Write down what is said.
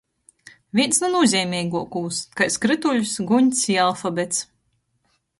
Vīns nu nūzeimeiguokūs — kai skrytuļs, guņs i alfabets.